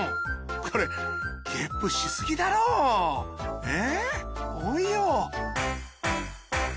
これゲップしすぎだろえっ多いよ！